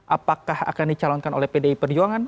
apakah akan dicalonkan oleh pdi perjuangan